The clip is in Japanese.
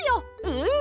うん！